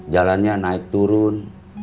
jalannya naik turun